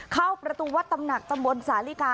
เข้าประตูวัดตำหนักตำบลสาลิกา